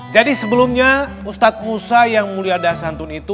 jadi sebelumnya ustadz musa yang mulia dasantun itu